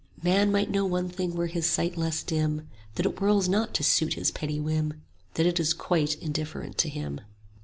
"Man might know one thing were his sight less dim; That it whirls not to suit his petty whim, That it is quite indifferent to him.